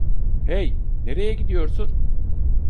Hey, nereye gidiyorsun?